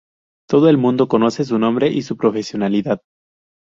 Todo el mundo conoce su nombre y su profesionalidad.